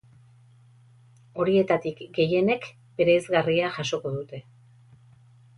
Horietatik gehienek bereizgarria jasoko dute.